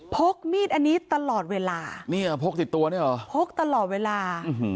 พกมีดอันนี้ตลอดเวลาพกตลอดเวลา